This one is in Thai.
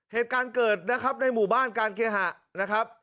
เหตุการณ์เกิดนะครับในหมู่บ้านการเคหะนะครับ